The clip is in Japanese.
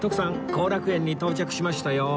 後楽園に到着しましたよ